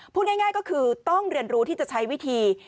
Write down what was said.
พูดง่ายก็คือต้องเรียนรู้ที่จะใช้วิธี